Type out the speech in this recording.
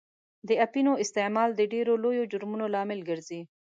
اپینو استعمال د ډېرو لویو جرمونو لامل ګرځي.